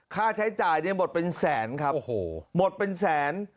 ค่าใช้จ่ายเนี่ยหมดเป็นแสนครับโอ้โหหมดเป็นแสน